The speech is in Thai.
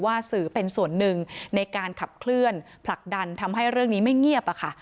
สื่อเป็นส่วนหนึ่งในการขับเคลื่อนผลักดันทำให้เรื่องนี้ไม่เงียบอะค่ะ